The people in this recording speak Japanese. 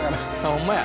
ホンマや。